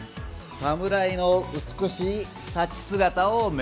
侍の美しい立ち姿を目指す。